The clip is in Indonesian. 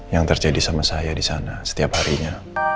yang terjadi sama saya disana setiap harinya